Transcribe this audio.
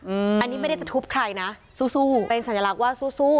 อืมอันนี้ไม่ได้จะทุบใครนะสู้สู้เป็นสัญลักษณ์ว่าสู้สู้